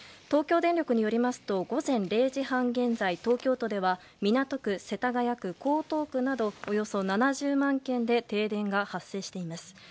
東京電力によりますと午前０時半現在、東京都では港区、世田谷区、江東区などおよそ７０万軒で停電が発生しています。